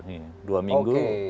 nih dua minggu